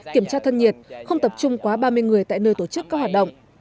kiểm tra thân nhiệt không tập trung quá ba mươi người tại nơi tổ chức các hoạt động